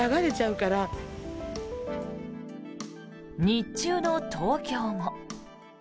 日中の東京も。